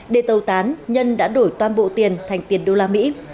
để tàu tán nhân đã đổi toàn bộ tiền thành tiền đô la mỹ